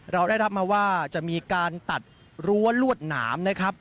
เราได้รับมาว่าจะมีการตัดรั้วลวดหนามนะครับ